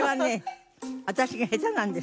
私が下手なんです。